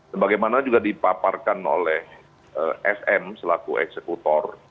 sebagaimana juga dipaparkan oleh sm selaku eksekutor